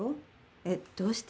えっどうして？